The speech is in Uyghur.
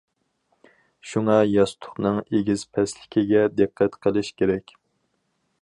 شۇڭا ياستۇقنىڭ ئېگىز- پەسلىكىگە دىققەت قىلىش كېرەك.